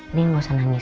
ini gak usah nangis